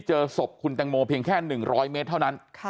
เจอศพคุณแตงโมเพียงแค่๑๐๐เมตรเท่านั้น